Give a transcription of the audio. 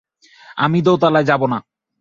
আমি দোতলায় যাব, না।